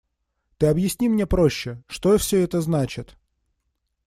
Ты объясни мне проще: что все это значит?